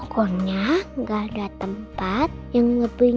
pokoknya gak ada tempat yang bunyi dogs n vaccum